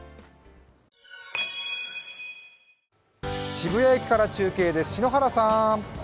渋谷駅から中継です。